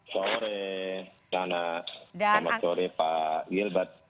selamat sore nana selamat sore pak gilbert